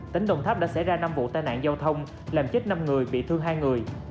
tỉnh đồng tháp đã xảy ra năm vụ tai nạn giao thông làm chết năm người bị thương hai người